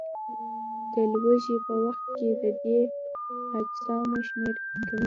د لوږې په وخت کې د دې اجسامو شمېر کمیږي.